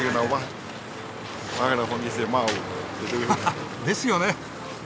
ははっですよね。